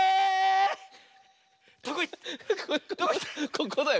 ここだよ